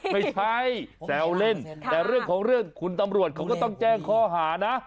ไม่ใช่แซวเล่นแต่เรื่องของเรื่องคุณตำรวจเขาก็ต้องแจ้งข้อหานะ